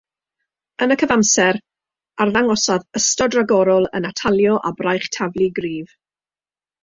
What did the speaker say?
Yn y cyfamser, arddangosodd ystod ragorol yn atalio a braich taflu gryf.